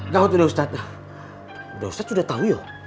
daud udah ustadz udah ustadz sudah tahu ya